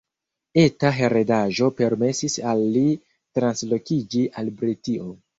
Eta heredaĵo permesis al li translokiĝi al Britio.